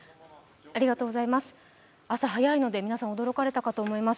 朝早いので、皆さん、驚かれたかと思います。